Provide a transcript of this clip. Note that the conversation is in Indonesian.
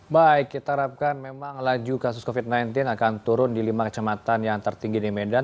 baik kita harapkan memang laju kasus covid sembilan belas akan turun di lima kecamatan yang tertinggi di medan